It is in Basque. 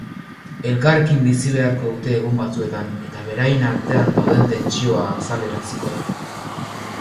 Elkarrekin bizi beharko dute egun batzuetan eta beraien artean dauden tentsioa azaleraziko da.